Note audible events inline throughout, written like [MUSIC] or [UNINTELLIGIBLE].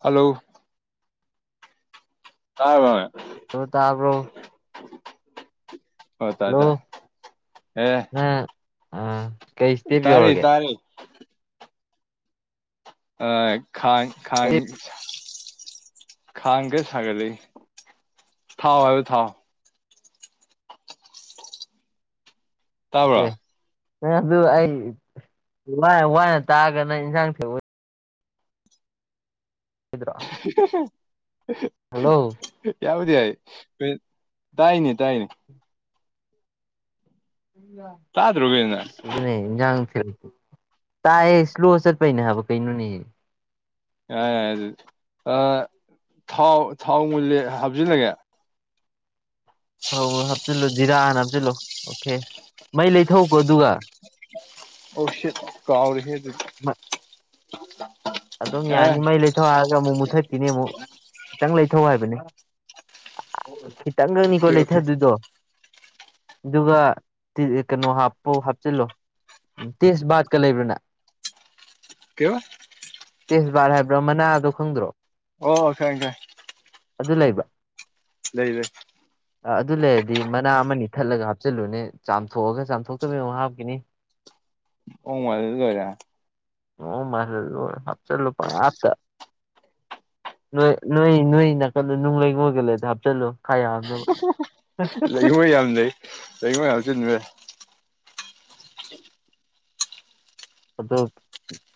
hello ꯇꯥꯔꯕꯣꯏ ꯑꯗꯨ ꯇꯥꯕ꯭ꯔꯣ ꯍꯣ ꯇꯥꯏꯇꯥꯏ ꯍꯜꯂꯣ ꯑꯦ ꯑ ꯀꯩ ꯁ꯭ꯇꯤꯕ ꯌꯧꯔꯒꯦ [UNINTELLIGIBLE] ꯑ ꯈꯥꯡꯢ ꯈꯥꯡꯢ ꯈꯥꯡ ꯒꯦ ꯁꯥꯒꯠ ꯂꯩ ꯊꯥꯎ ꯍꯥꯏꯕ ꯊꯥꯎ ꯇꯥꯕ꯭ꯔꯣ ꯑꯦ ꯑꯗꯨ ꯑꯩ ꯋꯥ ꯋꯥꯅ ꯇꯥꯛꯑꯒꯅ ꯏꯟꯁꯥꯡ ꯊꯦꯡꯕ [UNINTELLIGIBLE] ꯍꯜꯂꯣ [INAUDIBLE] ꯌꯥꯕꯨꯗꯤ ꯌꯥꯏ ꯇꯥꯏꯅꯦ ꯇꯥꯏꯅꯦ ꯎ [UNINTELLIGIBLE] ꯇꯥꯗ꯭ꯔꯣ ꯀꯩꯅꯣꯅꯦ ꯑꯗꯨꯅꯦ ꯏꯟꯖꯥꯡ ꯊꯦꯜ ꯇꯥꯏꯌꯦ ꯁ꯭ꯂꯣ ꯆꯠꯄꯩꯅꯦ ꯍꯥꯏꯕ ꯀꯩꯅꯣꯅꯦ ꯌꯥ ꯌꯥ ꯑꯗꯨꯗꯤ ꯊꯥꯎ ꯊꯥꯎ ꯃꯨꯂꯦ ꯍꯥꯞꯆꯜꯂꯒꯦ ꯊꯧ ꯍꯥꯞꯆꯤꯜꯂꯨ ꯖꯤꯔꯥ ꯍꯥꯟꯅ ꯍꯥꯞꯆꯤꯜꯂꯨ [UNINTELLIGIBLE] ꯃꯩ ꯂꯩꯊꯧꯀꯣ ꯑꯗꯨꯒ ꯑꯣ ꯁꯤꯠ ꯀꯥꯎꯔꯤꯍꯤ ꯑꯗꯨꯗꯤ ꯑꯗꯨꯝ ꯑ ꯌꯥꯅꯤ ꯑꯣꯀꯦ ꯃꯩ ꯂꯩꯊꯧ ꯍꯥꯏꯔꯒ ꯑꯃꯨꯛ ꯃꯨꯊꯠꯈꯤꯅꯤ ꯑꯃꯨꯛ ꯈꯤꯇꯪ ꯂꯩꯊꯧ ꯍꯥꯏꯕꯅꯦ ꯈꯤꯇꯪꯒꯅꯤꯀꯣ ꯑꯣꯀꯦ ꯂꯩꯊꯗꯨꯏꯗꯣ ꯑꯗꯨꯒ ꯀꯩꯅꯣ ꯍꯥꯞꯄꯧ ꯍꯥꯞꯆꯤꯜꯂꯣ ꯇꯦꯁ ꯕꯥꯠꯀ ꯂꯩꯕ꯭ꯔꯥꯅ ꯀꯩꯕꯥ ꯇꯦꯁꯕꯥꯠ ꯍꯥꯏꯕ꯭ꯔꯥ ꯃꯅꯥꯗꯣ ꯈꯪꯗ꯭ꯔꯣ ꯑꯣ ꯈꯪꯉꯦ ꯈꯪꯉꯦ ꯑꯗꯨ ꯂꯩꯕ꯭ꯔꯥ ꯂꯩ ꯂꯩ ꯑꯗꯨ ꯂꯩꯔꯗꯤ ꯃꯅꯥ ꯑꯃꯅꯤ ꯊꯠꯂꯒ ꯍꯥꯞꯆꯤꯜꯂꯨꯅꯦ ꯆꯥꯝꯊꯣꯛꯑꯒ ꯆꯥꯝꯊꯣꯛꯇꯕꯤ ꯑꯃꯨꯛ ꯍꯥꯞꯈꯤꯅꯤ [UNINTELLIGIBLE] ꯑꯣ ꯃꯥꯜꯍꯜꯂꯣ ꯍꯥꯞꯆꯂꯨ ꯄꯪꯍꯥꯞꯇ ꯅꯣꯏ ꯅꯣꯏ ꯅꯣꯏ ꯅꯥꯀꯟꯗ ꯅꯨꯡ ꯂꯩꯉꯣꯏꯒ ꯂꯩꯗꯤ ꯍꯥꯞꯆꯜꯂꯨ [UNINTELLIGIBLE] ꯂꯩꯉꯣꯏ ꯌꯥꯝ ꯂꯩ ꯂꯩꯉꯣꯏ ꯍꯥꯞꯆꯤꯟꯕ ꯌꯥꯏ ꯑꯗꯣ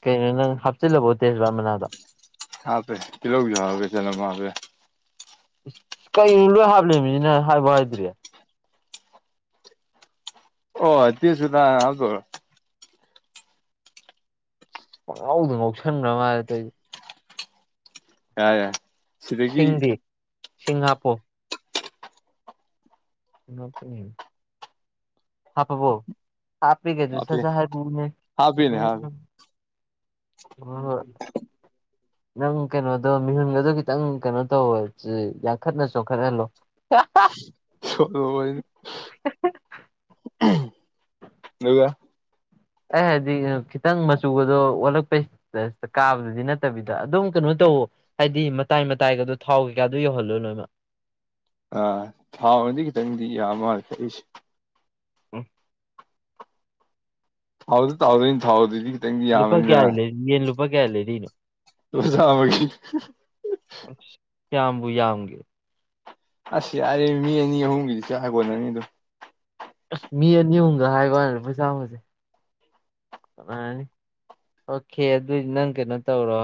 ꯀꯩꯅꯣ ꯅꯪ ꯍꯥꯞꯆꯤꯜꯂꯕꯣ ꯇꯦꯁꯕꯥꯠ ꯃꯅꯥꯗꯣ ꯍꯥꯞꯄꯦ ꯇꯤꯂꯧꯁꯨ ꯍꯥꯞꯄꯦ ꯆꯅꯝꯁꯨ ꯍꯥꯞꯄꯦ ꯀꯩꯅꯣ ꯂꯣꯏ ꯍꯥꯞꯂꯤꯕꯃꯤꯅꯤꯅ ꯍꯥꯏꯕ ꯍꯥꯏꯗ꯭ꯔꯤ ꯑꯣ ꯇꯦꯁꯕꯇꯥ ꯍꯥꯞ ꯇꯣꯏ ꯔꯣ ꯄꯉꯥꯎꯗꯨꯣ ꯉꯧꯁꯟꯈ꯭ꯔ ꯃꯥꯜꯂꯦ ꯑꯇꯩꯗꯤ ꯌꯥꯔꯦ ꯁꯤꯡꯗꯤ ꯁꯤꯡꯍꯥꯞꯄꯣ ꯃꯄꯅꯤ ꯍꯥꯞꯄꯕꯣ ꯍꯥꯄꯦꯀꯩꯅꯣ ꯍꯥꯞꯄꯦ ꯁꯠꯁꯠ ꯍꯥꯏꯔꯛꯑꯣꯅꯦ ꯍꯥꯞꯄꯦꯅꯦ ꯍꯥꯞꯄꯦ ꯍ ꯍꯣꯏ ꯅꯪ ꯀꯩꯅꯣꯗꯣ ꯃꯤꯍꯨꯟꯒꯗꯣ ꯈꯤꯇꯪ ꯀꯩꯅꯣ ꯇꯧꯋꯣ ꯌꯥꯡꯈꯠꯅ ꯆꯣꯡꯈꯠꯍꯜꯂꯣ ꯍꯥꯍꯥ ꯂꯣꯏꯔꯦ ꯑꯗꯨꯒ ꯑꯩ ꯍꯥꯏꯗꯤ ꯈꯤꯇꯪ ꯃꯆꯨꯒꯗꯣ ꯋꯥꯠꯂꯛꯄꯩ ꯀꯥꯕꯗꯨꯗꯤ ꯅꯠꯇꯕꯤꯗ ꯑꯗꯨꯝ ꯀꯩꯅꯣ ꯇꯧꯋꯣ ꯍꯥꯏꯗꯤ ꯃꯇꯥꯏ ꯃꯇꯥꯏꯒꯗꯣ ꯊꯥꯎ ꯀꯩꯀꯥꯗꯣ ꯌꯧꯍꯜꯂꯣ ꯂꯣꯏꯅꯃꯛ ꯑꯥ ꯊꯥꯎꯅꯗꯤ ꯈꯤꯇꯪꯗꯤ ꯌꯥꯝ ꯃꯥꯜꯂꯦ ꯑꯩꯁꯦ ꯎꯝ ꯍꯥꯎꯗ ꯇꯥꯎ ꯏ ꯍꯥꯎꯗ ꯂꯨꯄꯥ ꯀꯌꯥ ꯂꯩꯔꯤ ꯌꯦꯟ ꯂꯨꯄꯥ ꯀꯌꯥ ꯂꯩꯔꯤꯅꯣ ꯂꯨꯄꯥ ꯆꯥꯝꯃꯒꯤ ꯑꯁ ꯀꯌꯥꯝꯕꯨ ꯌꯥꯝꯒꯦ ꯑꯁ ꯌꯥꯔꯦ ꯃꯤ ꯑꯅꯤ ꯑꯍꯨꯝꯒꯤꯗꯤ ꯆ ꯍꯥꯏꯒꯣꯅꯅꯤ ꯑꯗꯣ ꯃꯤ ꯑꯅꯤ ꯑꯍꯨꯝꯒ ꯍꯥꯏꯕꯗ ꯄꯩꯁꯥꯝꯕꯁꯦ ꯐꯅꯤ ꯑꯣꯀꯦ ꯑꯗꯨꯏꯗꯤ ꯅꯪ ꯀꯩꯅꯣ ꯇꯧꯔꯣ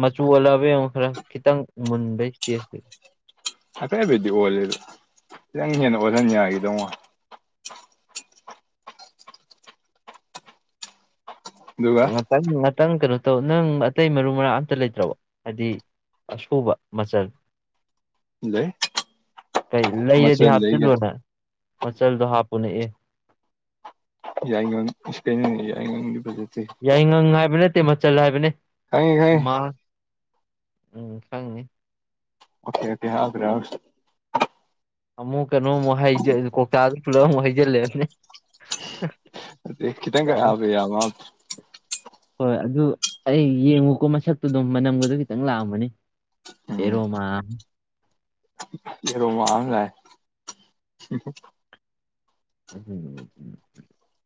ꯃꯆꯨ ꯑꯣꯜꯂꯕ ꯌꯦꯡꯉꯣ ꯈꯔ ꯈꯤꯇꯪ ꯃꯨꯟꯕꯩ ꯏꯁꯇꯦꯖꯇꯨ ꯍꯥꯏꯐꯦꯕꯗꯤ ꯑꯣꯜꯂꯦꯗ ꯈꯤꯇꯪ ꯍꯦꯟꯅ ꯑꯣꯜꯍꯟ ꯌꯥꯈꯤꯗꯧꯉꯣ ꯑꯗꯨꯒꯒ ꯉꯇꯪ ꯉꯥꯛꯇꯪ ꯀꯩꯅꯣ ꯇꯧ ꯅꯪ ꯑꯇꯩ ꯃꯔꯨ ꯃꯔꯥꯡ ꯑꯝꯇ ꯂꯩꯇ꯭ꯔꯕ ꯍꯥꯏꯗꯤ ꯑꯁꯕ ꯃꯆꯜ ꯂꯩ ꯀꯩ ꯂꯩꯔꯗꯤ ꯃꯆꯜ ꯂꯩ ꯀꯩꯅꯣ ꯍꯥꯞꯆꯤꯜꯂꯣꯅ ꯃꯆꯜꯗꯣ ꯍꯥꯞꯄꯨ ꯅꯛꯑꯦ ꯌꯥꯏꯉꯪ ꯏꯁꯄꯦꯟꯅꯤꯡ ꯌꯥꯏꯉꯪꯒꯤ ꯕꯖꯠꯠꯇꯤ ꯌꯥꯏꯉꯪ ꯍꯥꯏꯕ ꯅꯠꯇꯦ ꯃꯆꯜ ꯍꯥꯏꯕꯅꯦ ꯈꯪꯉꯦ ꯈꯪꯉꯦ ꯃꯥ ꯎꯝ ꯈꯪꯉꯤ ꯑꯣꯀꯦ ꯑꯣꯀꯦ ꯍꯥꯏ꯭ꯔꯦ꯭ꯔ ꯑꯃꯨꯛ ꯀꯩꯅꯣ ꯑꯃꯨꯛ ꯀꯧꯇꯥꯗ ꯄꯨꯂꯞ ꯑꯃꯨꯛ ꯍꯩꯖꯤꯜꯂꯦꯕꯅꯦ ꯈꯤꯇꯪꯒ ꯌꯥꯝ ꯍꯥꯕ ꯌꯥꯕ ꯍꯣꯏ ꯑꯗꯨ ꯑꯩ ꯌꯦꯡꯉꯨꯀꯣ ꯃꯁꯛꯇꯨ ꯑꯗꯨꯝ ꯃꯅꯝꯒꯗꯣ ꯈꯤꯇꯪ ꯂꯥꯛꯑꯝꯃꯅꯤ ꯑꯦꯔꯣꯃ ꯀꯔꯣ ꯃꯥꯡꯉ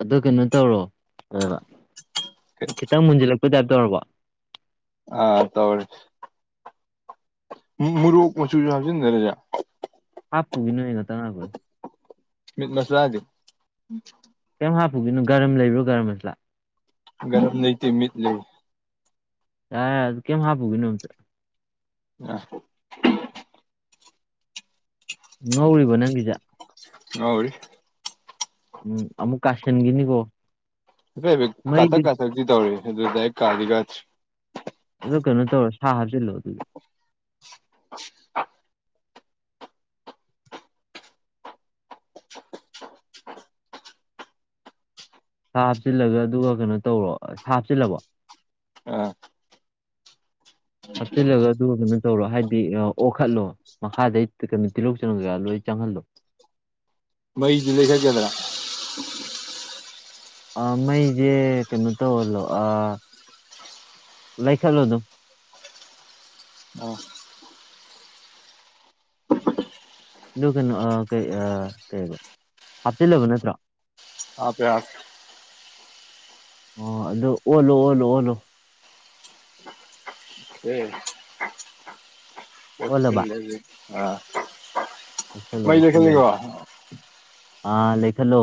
ꯑꯗꯨ ꯀꯩꯅꯣ ꯇꯧꯔꯣ ꯍꯥꯏꯕ ꯈꯤꯇꯪ ꯃꯨꯟꯁꯤꯜꯂꯛꯄ ꯇꯥꯏꯞꯇꯧꯔꯕꯣ ꯑ ꯇꯧꯔꯦ ꯃꯣꯔꯣꯛ ꯃꯆꯨꯁꯨ ꯍꯥꯞꯆꯤꯟꯗꯔꯦꯖꯥ ꯍꯥꯄꯨꯒꯤ ꯅꯉꯒ ꯇ ꯉꯈꯣꯏ ꯃꯤꯠ ꯃꯁꯂꯥꯗꯤ ꯀꯩꯝ ꯍꯥꯞꯄꯨꯒꯤꯅ ꯔ ꯂꯩꯕ꯭ꯔ ꯒꯔꯝ ꯑꯁꯤꯂꯥꯛ ꯒꯔꯝ ꯂꯩꯇꯦ ꯃꯤꯠ ꯂꯩ ꯑꯦ ꯑꯗꯨ ꯀꯦꯦꯝ ꯍꯥꯄꯨꯒ ꯏꯅꯤꯗ ꯑ ꯉꯧꯔꯤꯕꯣ ꯅꯪꯒꯤꯁꯠ ꯑꯔꯤ [UNINTELLIGIBLE] ꯎꯝ ꯑꯃꯨꯛ ꯀꯥꯥꯁꯤꯟꯒꯤꯅꯤꯀꯣ ꯀꯥꯊꯛ ꯀꯥꯊꯛꯛꯇꯤ ꯇꯧꯔꯤ ꯑꯗꯨ ꯗꯥꯔꯦꯛ ꯀꯥꯗꯤ ꯀꯥꯗꯔꯦ ꯑꯗꯣ ꯀꯩꯅꯣ ꯇꯧꯔ ꯁꯥ ꯍꯥꯞꯆꯜꯂꯣ ꯑꯗꯨꯗꯤ [UNINTELLIGIBLE] ꯁꯥ ꯍꯥꯞꯆꯤꯜꯂꯒ ꯑꯗꯨꯒ ꯀꯩꯅꯣ ꯇꯧꯔꯣ ꯁꯥ ꯍꯥꯞꯆꯤꯜꯂꯕꯣ ꯑ [UNINTELLIGIBLE] ꯍꯥꯞꯆꯤꯜꯂꯒ ꯑꯗꯨ ꯀꯩꯅꯣ ꯇꯧꯔꯣ ꯍꯥꯏꯗꯤ ꯑꯣꯈꯠꯂꯣ ꯃꯈꯥꯗꯩ ꯀꯩꯅꯣ ꯇꯤꯜꯍꯧ ꯆ ꯀꯥ ꯂꯣꯏ ꯆꯪꯍꯜꯂꯣ ꯃꯩꯗꯤ ꯂꯩ ꯍꯥꯏꯒꯗ꯭ꯔꯥ ꯃꯩꯁꯦ ꯀꯩꯅꯣ ꯇꯧꯍꯜꯂꯣ ꯂꯩꯈꯠꯂꯣ ꯑꯗꯨꯝ ꯑꯣ ꯑꯗꯨ ꯀꯩꯅꯣ ꯀꯩ ꯀꯩ ꯍꯥꯞꯇꯤꯜꯂꯕ ꯅꯠꯇ꯭ꯔꯣ ꯍꯥꯦ ꯍꯥ ꯑꯣ ꯑꯗꯨꯗꯣ ꯑꯣꯂꯣ ꯑꯣꯂꯣ ꯑꯣꯂꯣ ꯍ ꯑꯣꯜꯂꯕ ꯂꯩꯦ ꯑ ꯂꯣꯂ ꯑꯥ ꯂꯩꯦꯈꯜꯂꯣ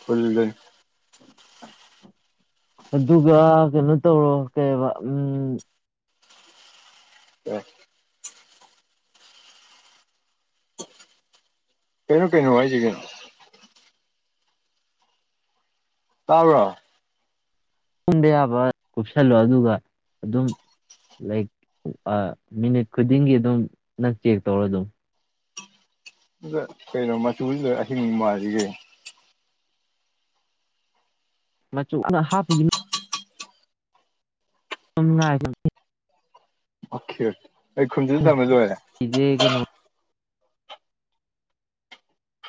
ꯐꯨꯜꯂꯦ ꯑꯗꯨꯒ ꯀꯩꯅꯣ ꯇꯧꯔꯣ ꯀꯩꯕ ꯎꯝ ꯑ [UNINTELLIGIBLE] ꯀꯩꯅꯣ ꯀꯩꯅꯣ ꯍꯥꯏꯁꯤ ꯀꯩꯅꯣ ꯇꯥꯕ꯭ꯔꯣ ꯇꯨꯡꯕ ꯌꯥꯕ ꯀꯨꯞꯁꯜꯂꯣ ꯑꯗꯨꯒ ꯑꯗꯨꯝ ꯂꯥꯛ ꯑ ꯃꯤꯅꯤꯠ ꯈꯨꯗꯤꯡꯒꯤ ꯑꯗꯨꯝ ꯅꯪ ꯆꯦꯛ ꯇꯧꯔ ꯑꯗꯨꯝ ꯑꯗꯨꯒ ꯀꯩꯅꯣ ꯃꯆꯨꯁꯤꯗꯣ ꯑꯍꯤꯡ ꯃꯥꯔꯤꯒꯦ ꯀꯩꯅꯣ ꯃꯆꯨ ꯍꯥꯟꯅ ꯍꯥꯞꯄꯨꯒꯤꯅꯨ ꯁꯝꯥꯏ [UNINTELLIGIBLE] ꯑꯣꯀꯦ ꯑꯩ ꯈꯨꯟꯁꯤꯟ ꯊꯝꯃ ꯂꯣꯏꯔꯦ ꯏꯗ [UNINTELLIGIBLE]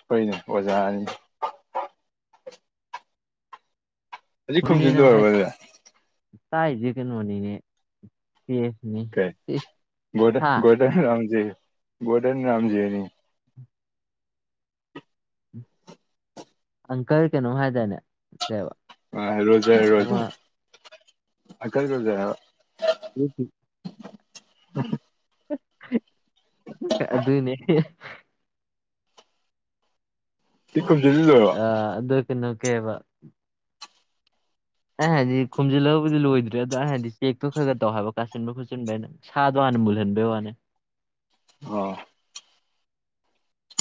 ꯍꯣꯏꯅꯦ ꯑꯣꯖꯥꯅꯤꯅꯦ ꯍꯧꯖꯤꯛ ꯈꯨꯗꯤꯅꯦ ꯈꯨꯝꯖꯤꯜ ꯅꯪ ꯍꯥꯏ ꯂꯣꯏꯔꯕꯣ ꯑꯗꯨꯗꯤ ꯇꯥꯛꯁꯦ ꯀꯩꯅꯣꯅꯤꯅꯦꯦꯁꯅꯦ [UNINTELLIGIBLE] ꯀ ꯗꯣ ꯗꯣꯟ ꯔꯝꯖꯤ ꯗꯣꯟ ꯔꯝꯖꯤꯅꯤ unintelligible [UNINTELLIGIBLE] ꯑꯪꯀꯜ ꯀꯩꯅꯣꯝ ꯍꯥꯏꯗꯥꯏꯅꯦ ꯀꯩꯕ ꯑ ꯔꯣꯖꯔ ꯔꯣꯖꯥ ꯑꯃ ꯑꯀꯜ ꯔꯣꯖꯥ ꯍꯥꯏꯕ [UNINTELLIGIBLE] ꯑꯗꯨꯅꯦ unintelligible [UNINTELLIGIBLE] ꯑ ꯑꯗꯨ ꯀꯩꯅꯣ ꯀꯩꯕ ꯑꯩ ꯍꯥꯏꯗꯤ ꯈꯨꯝꯖꯤꯜꯂꯒꯕꯨꯗꯤ ꯂꯣꯏꯗ꯭ꯔꯦ ꯑꯗꯣ ꯑꯩ ꯍꯥꯏꯗꯤ ꯆꯦꯛꯇꯣ ꯈꯔ ꯈꯔ ꯇꯧ ꯍꯥꯏꯕ ꯀꯥꯁꯤꯟꯕ ꯈꯣꯠꯆꯤꯟꯕꯔꯅ ꯁꯥꯗꯣ ꯍꯥꯟꯅ ꯃꯨꯜꯍꯟꯕꯩ ꯋꯥꯅꯦ ꯑꯣ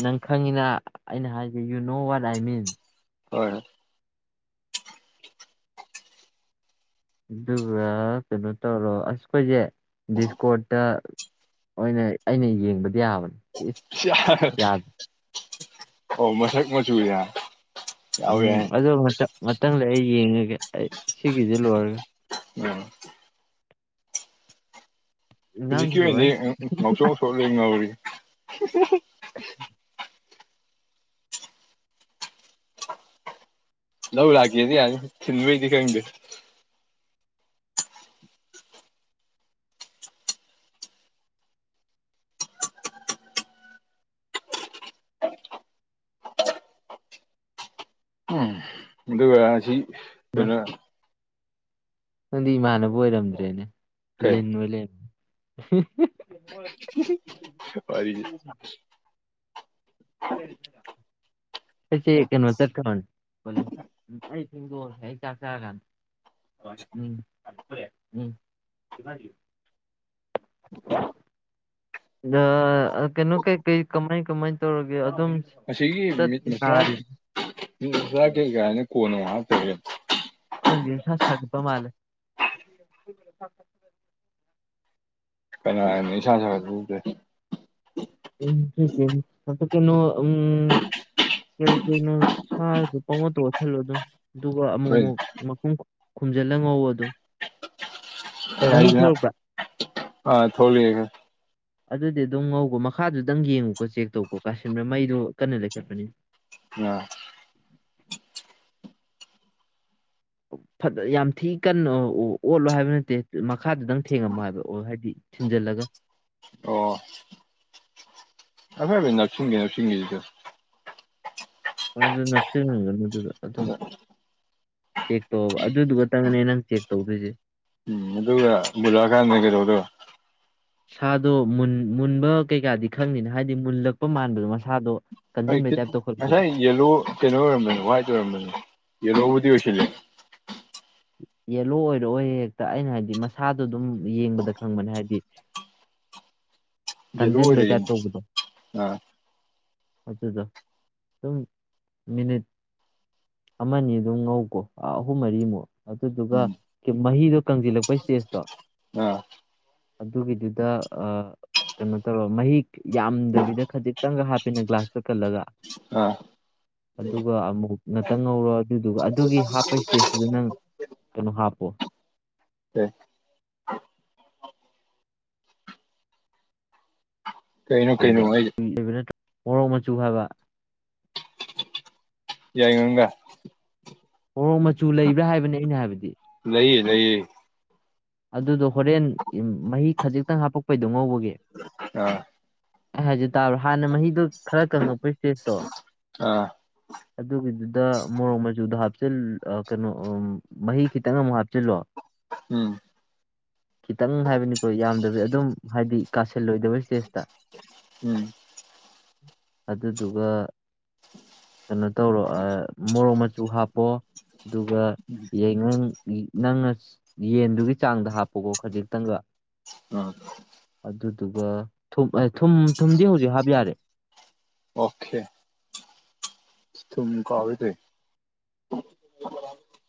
ꯅꯪ ꯈꯪꯉꯤꯅ ꯑꯩꯅ ꯍꯥꯏꯁꯦ ꯌꯨ ꯅꯣ ꯋꯥꯠ ꯑꯥꯏ ꯃꯤꯟ ꯍꯣꯏ ꯑꯗꯨꯒ ꯀꯩꯅꯣ ꯇꯧꯔꯣ ꯑꯁ ꯑꯈꯣꯏꯁꯦ ꯕꯤꯁꯀꯣꯔꯠꯇ ꯍꯣꯏꯅꯦ ꯑꯩꯅ ꯌꯦꯡꯕꯗꯤ ꯌꯥꯕꯅꯤ ꯑꯣ ꯃꯁꯛ ꯃꯆꯎ ꯌꯥ [UNINTELLIGIBLE] ꯎꯝ ꯑꯗꯣ ꯃꯊꯪꯗ ꯑꯩ ꯌꯦꯡꯉꯒꯦ ꯑꯩ ꯁꯤꯒꯤꯁꯤ ꯂꯣꯏꯔꯒ ꯎꯝ ꯏꯟꯖꯥꯡꯗꯤ ꯍꯧꯖꯤꯛꯀꯤ ꯂꯣꯏꯔꯦ ꯑꯣꯏꯅꯗꯤ ꯑꯨꯝ ꯉꯧꯁꯣꯛ ꯉꯧꯁꯣꯛꯂꯣꯏ ꯉꯧꯔꯤ unintelligible [UNINTELLIGIBLE] ꯂꯧ ꯂꯥꯛꯀꯦꯗꯤ ꯌꯥꯅꯤ ꯊꯤꯟꯕꯩꯗꯤ ꯈꯪꯗꯦ ꯎꯝ ꯑꯗꯨꯒ ꯑꯁꯤ ꯀꯩꯅꯣ ꯅꯪꯗꯤ ꯏꯃꯥꯟꯅꯕ ꯑꯣꯏꯔꯝꯗ꯭ꯔꯦꯅꯦ ꯀꯩ ꯂꯤꯟ ꯑꯣꯏ ꯂꯩꯔꯝꯃꯦ ꯑꯪ ꯍꯨꯡ ꯋꯥꯔꯤꯗꯤ UNINTELLIGIBLE ꯀꯩꯅꯩꯅꯣ ꯆꯠꯈꯗꯧꯅꯦ ꯀꯣꯂꯦꯁꯇ ꯎꯝ ꯑꯩ ꯐꯦꯡꯗꯣꯛꯑꯒꯦ ꯑꯩ ꯆꯥꯛ ꯆꯔꯀꯥꯟꯗ UNINTELLIGIBLE ꯗꯥ ꯑꯥ ꯀꯩꯅꯣ ꯀꯩ ꯀꯩ ꯀꯃꯥꯏ ꯀꯃꯥꯏ ꯇꯧꯔꯒꯦ ꯑꯗꯨꯝ ꯑꯁꯤꯒꯤ ꯃꯤꯠ ꯆꯠꯄ ꯃꯁꯂꯥ ꯅꯥꯔꯦ ꯃꯤꯠ ꯃꯁꯂꯥ ꯀꯩꯒꯥꯅ ꯀꯣꯟꯅ ꯑꯃꯨꯛ ꯍꯥꯞꯇꯣꯏꯔꯥ ꯈꯪ ꯁꯥ ꯁꯥꯒꯠꯄ ꯃꯥꯜꯂꯦ unintelligible [UNINTELLIGIBLE] ꯀꯅꯥ ꯍꯥꯏꯅꯣ ꯏꯁꯥ ꯁꯥꯒꯠꯄ ꯀꯧꯗꯦ [UNINTELLIGIBLE] ꯎꯝ ꯑ ꯎꯝ ꯀꯄꯀꯩꯅꯣ ꯎꯝ [UNINTELLIGIBLE] ꯀꯔꯤ ꯀꯅ ꯁꯔ ꯄꯪꯑꯣꯠꯇ ꯑꯣꯠꯁꯜꯂꯣ ꯅꯦ ꯑꯗꯨꯒ ꯑꯃꯨꯛ ꯍꯣꯏ ꯑꯃꯨꯛ ꯃꯈꯨꯝ ꯈꯨꯝꯖꯤꯜꯂ ꯉꯧ ꯑꯗꯨꯝ ꯑꯦ ꯃꯍꯤ ꯍꯥꯏꯁꯤꯅ ꯊꯣꯛꯂꯛꯄ꯭ꯔꯥ ꯑꯥ ꯊꯣꯛꯂꯑꯦ ꯑꯗꯨꯗꯤ ꯑꯗꯨꯝ ꯉꯧꯈꯣ ꯃꯈꯥꯗꯨꯗꯪ ꯌꯦꯡꯉꯨꯀꯣ ꯆꯦꯛ ꯇꯧꯈꯣ ꯀꯥꯁꯤꯟꯕ꯭ꯔꯥ ꯃꯩꯗꯨ ꯀꯟꯅ ꯂꯩꯈꯠꯄꯅꯤ ꯑ ꯑꯣ ꯐꯗ ꯌꯥꯝ ꯊꯤ ꯀꯟꯅ ꯑꯣꯠꯂꯣ ꯍꯥꯏꯕ ꯅꯠꯇꯦ ꯃꯈꯥꯗꯗꯪ ꯊꯦꯡꯉꯝꯃꯣ ꯍꯥꯏꯕ ꯑꯣ ꯍꯥꯏꯗꯤ ꯊꯤꯟꯖꯜꯂꯒ ꯑꯣ ꯍꯥꯏꯐꯦꯠ ꯍꯥꯏꯐꯦꯠ ꯅꯞꯁꯤꯟꯒꯦ ꯅꯞꯁꯤꯟꯒꯦꯗꯤ ꯇꯧꯋꯦ ꯍꯣꯏ ꯑꯗꯣ ꯅꯞꯁꯤꯟꯖꯖꯅꯨꯗ ꯑꯗꯨꯝ__ ꯆꯦꯛ ꯇꯧꯕ ꯑꯗꯨꯗꯨꯒꯇꯪꯒꯅꯦ ꯅꯪ ꯆꯦꯛ ꯇꯧꯗꯣꯏꯁꯦ ꯎ ꯑꯗꯨꯒ ꯕꯨꯂꯥꯀꯥꯟꯗ ꯀꯗꯧꯗꯣꯏꯕ ꯁꯥꯗꯣ ꯃꯨꯟ ꯃꯨꯟꯕ ꯀꯩꯀꯥꯗꯤ ꯈꯪꯅꯤꯅ ꯍꯥꯏꯗꯤ ꯃꯨꯜꯂꯛꯄ ꯃꯥꯟꯕꯗꯣ ꯃꯁꯥꯗꯣ ꯍ ꯀꯟꯁꯤꯟꯕꯩ ꯇꯥꯏꯞ ꯇꯧꯈꯠꯂꯛꯄꯗꯣ ꯉꯁꯥꯏ ꯌꯦꯂꯣ ꯀꯩꯅꯣ ꯑꯣꯏꯔꯝꯕꯅꯤ ꯋꯥ꯭ꯋꯥꯏꯠ ꯑꯣꯏꯔꯝꯕꯅꯤ ꯌꯦꯂꯣꯕꯨꯗꯤ ꯑꯣꯏꯁꯤꯜꯂꯦ ꯌꯦꯂꯣ ꯑꯣꯏꯔꯛꯑꯣ ꯍꯦꯛꯇ ꯑꯩꯅ ꯍꯥꯏꯕꯗꯤ ꯃꯁꯥꯗꯣ ꯑꯗꯨꯝ ꯌꯦꯡꯕꯗ ꯈꯪꯕꯅꯦ ꯍꯥꯏꯗꯤ ꯌꯦꯂꯣ ꯀꯟꯖꯤꯟꯕꯩ ꯇꯥꯏꯞ ꯑꯣꯏꯔꯛꯏꯅꯦ ꯇꯧꯕꯗꯣ ꯑꯥ ꯑꯗꯨꯗ ꯑꯗꯨꯝ ꯃꯤꯅꯤꯠ ꯑꯃꯅꯤ ꯑꯗꯨꯝ ꯉꯧꯀꯣ ꯑꯥ ꯑꯍꯨꯝ ꯃꯔꯤꯃꯨꯛ ꯑꯗꯨꯗꯨꯒ ꯎꯝ ꯃꯍꯤꯗꯣ ꯀꯪꯖꯤꯜꯂꯛꯄꯩ ꯏꯁꯇꯦꯖꯇꯣ ꯑꯥ ꯑꯗꯨꯒꯤꯗꯨꯗ ꯑ ꯀꯩꯅꯣ ꯇꯧꯔ ꯃꯍꯤꯛ ꯌꯥꯝꯗꯕꯤꯗ ꯈꯖꯤꯛꯇꯪꯒ ꯍꯥꯞꯄꯦꯅꯦ ꯒ꯭ꯂꯥꯁꯇ ꯀꯜꯂꯒ ꯑ ꯑꯗꯨꯒ ꯑꯃꯨꯛ ꯉꯥꯛꯇꯪ ꯉꯧꯔꯣ ꯑꯗꯨꯗꯨꯒ ꯑꯗꯨꯒꯤ ꯍꯥꯞꯄ ꯏꯁꯇꯦꯖꯇꯨꯗ ꯅꯪ ꯀꯩꯅꯣ ꯍꯥꯞꯄꯣ ꯑꯦ ꯀꯩꯅꯣ ꯀꯩ ꯀꯩꯅꯣ ꯑꯩ ꯍꯥꯏꯕꯨꯏꯕ ꯅꯠꯇ꯭ꯔ ꯃꯣꯔꯣꯛ ꯃꯆꯨ ꯍꯥꯏꯕ ꯌꯥꯏꯉꯪꯒ ꯃꫭꯔꫭꯛ ꯃꯆꯨ ꯂꯩꯕ꯭ꯔꯥ ꯍꯥꯏꯕꯅꯦ ꯑꯩꯅ ꯍꯥꯏꯕꯗꯤ ꯂꯩꯏꯌꯦ ꯂꯩꯌꯦ ꯑꯗꯨꯗꯣ ꯍꯣꯔꯦꯟ ꯃꯍꯤ ꯈꯖꯤꯛꯇꯪ ꯍꯥꯄꯛꯄꯩꯗꯣ ꯉꯧꯕꯒꯤ ꯑꯥ ꯑꯩ ꯍꯥꯏꯖ ꯇꯥꯕ꯭ꯔꯥ ꯍꯥꯟꯅ ꯃꯍꯤꯗꯣ ꯈꯔ ꯀꯪꯉꯛꯄꯒꯤ ꯏꯁꯇꯦꯖꯇꯣ ꯑꯥ ꯑꯗꯨꯒꯤꯗꯨꯗ ꯃꯣꯔꯣꯛ ꯃꯆꯨꯗꯣ ꯍꯥꯞꯆꯤꯜ ꯑꯥ ꯀꯩꯅꯣ ꯑꯝ ꯃꯍꯤ ꯈꯤꯇꯪ ꯑꯃꯨꯛ ꯍꯥꯞꯆꯤꯜꯂꯣ ꯎꯝ ꯈꯤꯇꯪ ꯍꯥꯏꯕꯅꯤꯀꯣ ꯌꯥꯝꯗꯕꯤ ꯑꯗꯨꯝ ꯍꯥꯏꯗꯤ ꯀꯥꯁꯤꯜꯂꯣꯏꯗꯕ ꯏꯁꯇꯦꯖꯇ ꯎꯝ ꯑꯗꯨꯗꯨꯒ ꯀꯩꯅꯣ ꯇꯧꯔꯣ ꯃꯣꯔꯣꯛ ꯃꯆꯨ ꯍꯥꯞꯄꯣ ꯑꯗꯨꯒ ꯌꯥꯏꯉꯪ ꯅꯪꯅ ꯌꯦꯟꯗꯨꯒꯤ ꯆꯥꯡꯗ ꯍꯥꯞꯄꯀꯣ ꯈꯖꯤꯛꯇꯪꯒ ꯑꯥ ꯑꯗꯨꯗꯨꯒꯥ ꯊꯨꯝ ꯊꯨꯝ ꯊꯨꯝꯗꯤ ꯍꯧꯖꯤꯛ ꯍꯥꯞ ꯌꯥꯔꯦ ꯑꯣ ꯈꯦ ꯀꯥꯎꯔꯦ ꯇꯦ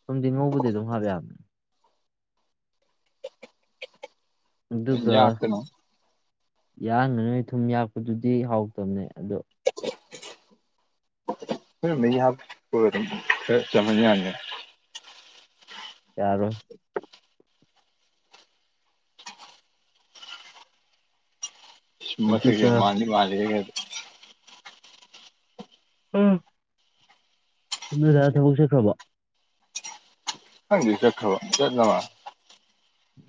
ꯊꯨꯝꯗꯤ ꯉꯧꯕꯗꯤꯒꯤ ꯑꯗꯨꯝ ꯍꯥꯞ ꯌꯥꯕꯅꯤ ꯑꯩꯅ ꯑꯗꯨꯒ ꯌꯥꯛꯇꯅ ꯌꯥꯍꯥꯟꯒꯅꯨꯍꯦ ꯊꯨꯝ ꯌꯥꯛꯄꯗꯨꯗꯤ ꯍꯥꯎꯇꯕꯅꯦ ꯑꯗꯣ ꯍꯣꯔꯦꯟ ꯃꯍꯤ ꯍꯥꯞ ꯂꯣꯏꯔꯦ ꯈꯔꯥ ꯀꯪꯍꯟ ꯌꯥꯅꯤꯅ ꯌꯥꯔꯣ ꯃꯁꯥꯛꯁꯦ ꯑꯗꯨꯒ ꯃꯥꯗꯤ ꯃꯥꯅꯦ ꯍꯦ ꯎꯝ ꯅꫭꯏ ꯗꯥ ꯊꯕꯛ ꯆꯠꯈ꯭ꯔꯕꫭ ꯈꯪꯗꯦ ꯆꯠꯈ꯭ꯔꯕ ꯆꯠꯂꯃꯥꯟꯂꯦ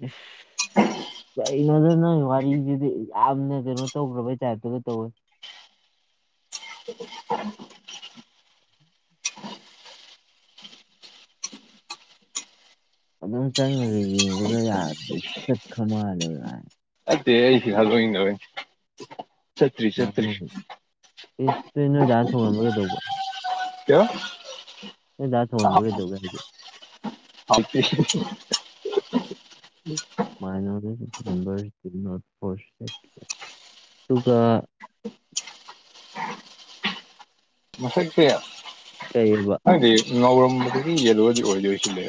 ꯏꯁ UNINTELLIGIBLE ꯀꯔꯤꯅꯣꯗ ꯅꯣꯏ ꯋꯥꯔꯤꯁꯤꯗꯤ ꯌꯥꯝꯅ ꯀꯩꯅꯣ ꯇꯧꯈ꯭ꯔꯕꯩ ꯇꯥꯏꯞꯇꯨꯒ ꯇꯧꯋꯦ UNINTELLIGIBLE ꯑꯗꯨꯝ ꯆꯪꯉꯒ ꯌꯦꯡꯕ ꯗ ꯌꯥꯗꯤ ꯆꯠꯈ ꯃꯥꯜꯂꯦ ꯕꯥꯏ [UNINTELLIGIBLE] ꯆꯠꯇ꯭ꯔꯤ ꯃꯥꯟꯅꯕꯩ ꯏꯁ ꯇꯤ ꯅꯣꯏꯗꯥ ꯊꯣꯡꯉꯟꯕ ꯀꯩꯗꯧꯕ ꯀꯤꯌꯥ ꯅꯣꯏ ꯗꯥ ꯊꯣꯡꯍꯟꯕ ꯀꯩꯗꯧꯒꯦ ꯍꯥꯏꯖꯦ ꯍꯥꯎꯇꯦ [UNINTELLIGIBLE] ꯇꯨꯒ ꯃꯁꯛꯁꯦ ꯀꯩꯑꯕ ꯍꯥꯏꯗꯤ ꯉꯧꯔꯝꯕꯗꯒꯤ ꯌꯦꯂꯣꯗꯤ ꯑꯣꯏꯗꯤ ꯑꯣꯏꯁꯤꯜꯂꯦ